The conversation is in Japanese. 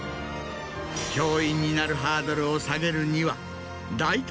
教員になるハードルを下げるには。